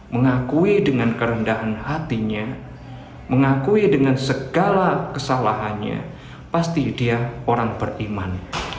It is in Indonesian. mengakui dengan kerendahan hatinya mengakui dengan segala kesalahannya pasti dia orang beriman